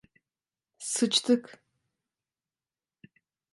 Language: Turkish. Sıçtık!